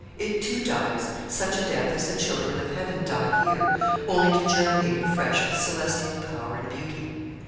It too dies such a death as the children of heaven die here only to germinate afresh with celestial power and beauty.'